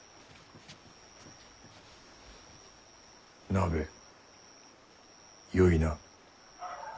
鍋よいな。